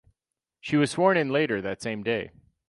She was sworn in later that same day.